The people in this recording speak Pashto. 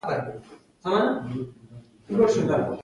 هندوانه په لویو ټوټو پرې کېږي.